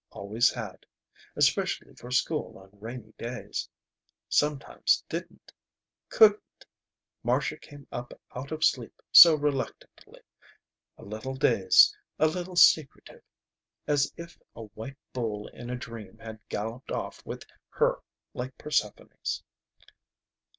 Always had. Especially for school on rainy days. Sometimes didn't. Couldn't. Marcia came up out of sleep so reluctantly. A little dazed. A little secretive. As if a white bull in a dream had galloped off with her like Persephone's.